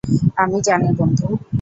আমি জানি বন্ধু।